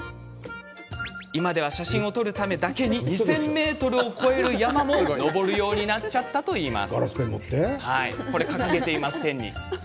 今では写真を撮るためだけに２０００ｍを超える山も登るようになったといいます。